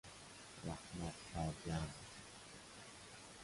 رحمت کردن